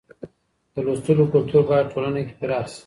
د لوستلو کلتور بايد ټولنه کې پراخ شي.